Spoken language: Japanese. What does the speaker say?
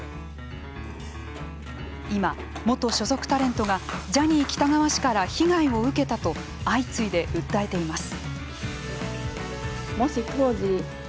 今、元所属タレントがジャニー喜多川氏から被害を受けたと相次いで訴えています。